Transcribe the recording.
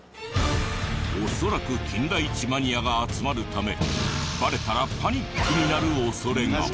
恐らく金田一マニアが集まるためバレたらパニックになる恐れが。